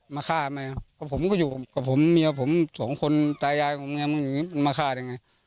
มาฆ่าแม่ผมก็อยู่กับผมเมียผม๒คนตายยายมาฆ่าได้ไง